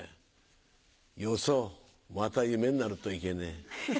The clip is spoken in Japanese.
「よそうまた夢になるといけねえ」。